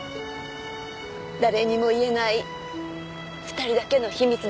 誰にも言えない２人だけの秘密でした。